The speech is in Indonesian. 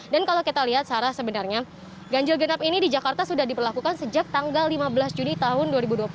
dan kalau kita lihat sarah sebenarnya ganjil genap ini di jakarta sudah diperlakukan sejak tanggal lima belas juni tahun dua ribu dua puluh